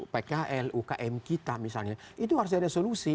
pkl ukm kita misalnya itu harus ada solusi